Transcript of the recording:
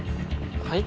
はい？